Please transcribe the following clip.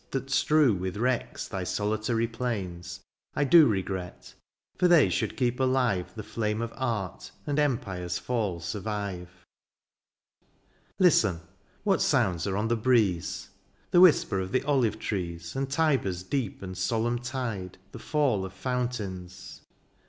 That strew with wrecks thy solitary plains, I do regret ; for they should keep alive The flame of art, and empire^s fall survive. Listen ! what sounds are on the breeze ? The whisper of the olive trees. And Tiber's deep and solemn tide. The fall of fountains.